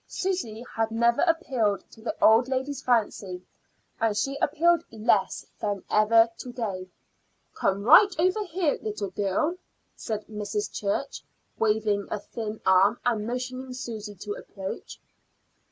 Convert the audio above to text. Susy had never appealed to the old lady's fancy, and she appealed less than ever to day. "Come right over here, little girl," said Mrs. Church, waving a thin arm and motioning Susy to approach.